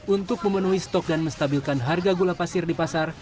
untuk memenuhi stok dan menstabilkan harga gula pasir di pasar